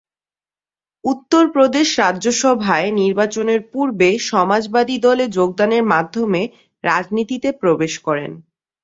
উত্তরপ্রদেশ রাজ্যসভায় নির্বাচনের পূর্বে সমাজবাদী দলে যোগদানের মাধ্যমে রাজনীতিতে প্রবেশ করেন।